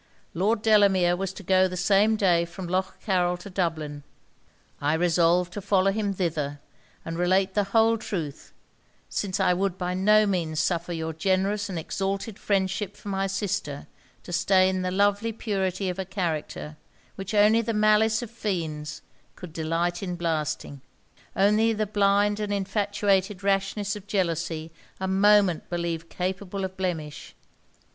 Lord Delamere was to go the same day from Lough Carryl to Dublin. I resolved to follow him thither, and relate the whole truth; since I would by no means suffer your generous and exalted friendship for my sister to stain the lovely purity of a character which only the malice of fiends could delight in blasting, only the blind and infatuated rashness of jealousy a moment believe capable of blemish!